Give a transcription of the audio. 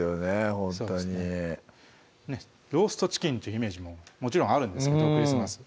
ほんとにローストチキンというイメージももちろんあるんですけどクリスマス